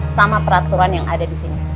sama peraturan yang ada di sini